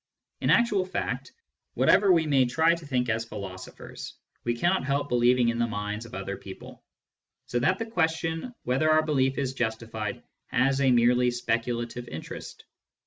In actual fact, whatever we may try to think as philosophers, we cannot help believing in the minds of other people, so that the question whether our belief is justified has a merely speculative interest.